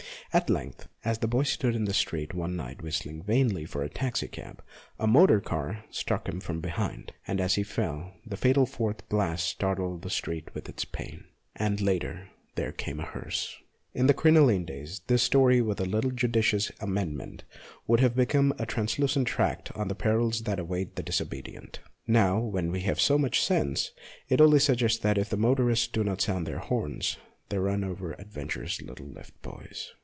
At length, as the boy stood in the street one night whistling vainly for a taxi cab, a motor car struck him from behind, and as he fell the fatal fourth blast startled the street with its pain. And later there came a hearse. In the crinoline days, this story, with a little judicious amendment, would have become a truculent tract on the perils that await the disobedient ; now, when we have so much sense, it only suggests that if motorists do not sound their horns, they run over adventurous little lift boys.